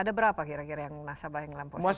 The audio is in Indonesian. ada berapa kira kira nasabah yang dalam posisi seperti ini